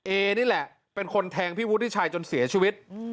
เอนี่แหละเป็นคนแทงพี่วุฒิชัยจนเสียชีวิต